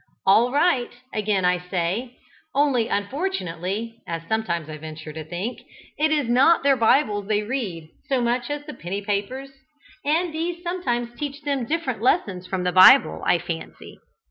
"All right," again say I, only unfortunately (as I sometimes venture to think) it is not their Bibles they read, so much as the penny papers, and these sometimes teach them different lessons from the Bible, I fancy.